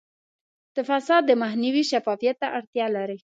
د فساد مخنیوی شفافیت ته اړتیا لري.